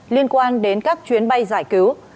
liên quan đến các chuyến bay giải cứu